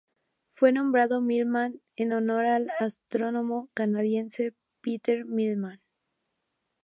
Fue nombrado Millman en honor al astrónomo canadiense Peter Millman.